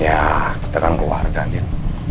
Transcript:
ya kita kan keluarga din